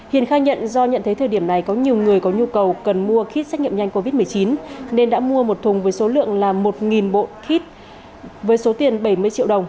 hiền khai nhận do nhận thấy thời điểm này có nhiều người có nhu cầu cần mua kit xét nghiệm nhanh covid một mươi chín nên đã mua một thùng với số lượng là một bộ kit với số tiền bảy mươi triệu đồng